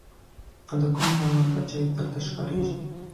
دا د کوم حیوان بچی درته ښکاریږي